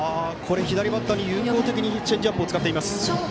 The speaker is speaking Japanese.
左バッターに有効的にチェンジアップを使っています。